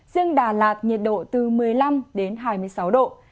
riêng đà lạt nhiệt độ từ một mươi năm đến hai mươi sáu độ